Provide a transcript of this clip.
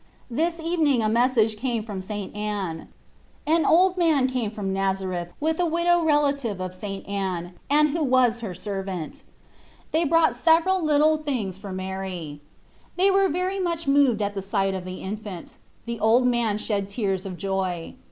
This even ing a message came from St. Anne. An old man came from Nazareth with a widow relative of St. Anne, and who was her servant. They brought several little Gbrtet 103 things for Mary. They were very much moved at the sight of the infant ; the old servant man shed tears of joy.